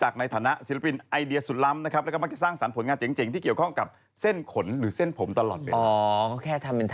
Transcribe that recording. หรือหรือหรือหรือหรือหรือ